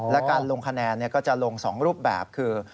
และการลงคะแนนก็จะลง๒รูปแบบคือ